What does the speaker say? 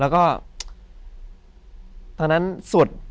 แล้วก็ทางนั้นสวด